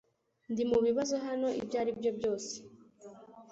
Ndi mubibazo hano ibyo ari byo byose